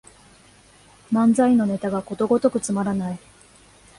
漫才のネタがことごとくつまらない